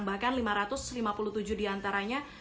bahkan lima ratus lima puluh tujuh diantaranya